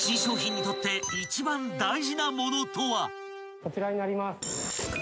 こちらになります。